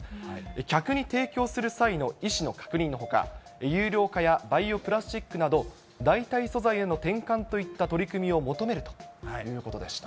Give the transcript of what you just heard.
客に提供する際の意思の確認のほか、有料化やバイオプラスチックなど、代替素材への転換といった取り組みを求めるということでした。